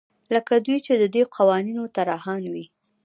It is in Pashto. لکه دوی چې د دې قوانینو طراحان وي.